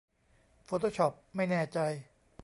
โฟโต้ช็อปไม่แน่ใจ